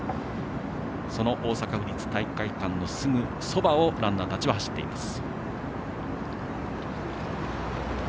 その大阪府立体育会館のすぐそばをランナーたちは走っています。